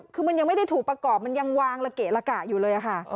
คือมันยังไม่ได้ถูกประกอบมันยังวางละเกะละกะอยู่เลยค่ะ